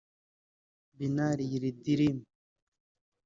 Binali Yildirim